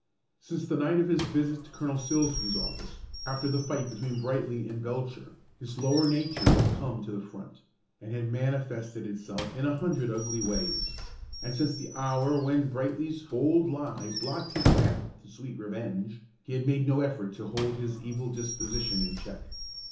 Since the night of his visit to Colonel Silsbee's office, after the fight between Brightly and Belcher, his lower nature had come to the front, and had manifested itself in a hundred ugly ways; and since the hour when Brightly's bold lie blocked his path to sweet revenge, he had made no effort to hold his evil disposition in check.